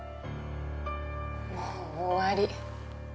もう終わり。